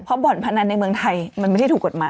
เพราะบ่อนพนันในเมืองไทยมันไม่ได้ถูกกฎหมาย